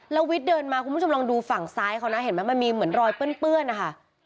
แล้ววิทย์เดินมาคุณผู้ชมลองดูฝั่งซ้ายเขานะเห็นไหมมันมีเหมือนรอยเปื้อนนะคะ